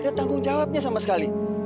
ada tanggung jawabnya sama sekali